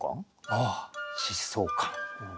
ああ疾走感。